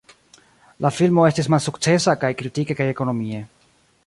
La filmo estis malsukcesa kaj kritike kaj ekonomie.